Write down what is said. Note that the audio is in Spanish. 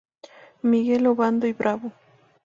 Miguel Obando y Bravo.